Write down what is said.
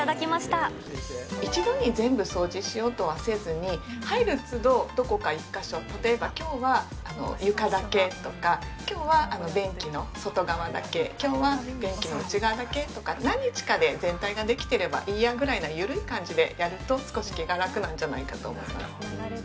一度に全部掃除しようとはせずに、入るつど、どこか１か所、例えばきょうは床だけとか、きょうは便器の外側だけ、きょうは便器の内側だけとか、何日かで全体ができてればいいやぐらいの緩い感じでやると、少し気が楽なんじゃないかなと思います。